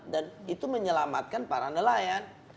dan itu menyelamatkan para nelayan